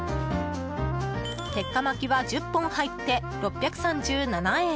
鉄火巻きは１０本入って６３７円。